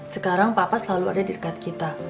sekarang papa selalu ada di dekat kita